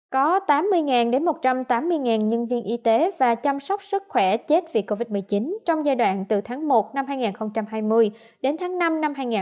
có tám mươi đến một trăm tám mươi nhân viên y tế và chăm sóc sức khỏe chết vì covid một mươi chín trong giai đoạn từ tháng một năm hai nghìn hai mươi đến tháng năm năm hai nghìn hai mươi